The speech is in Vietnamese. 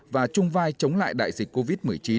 và chung vai chống lại đại dịch covid một mươi chín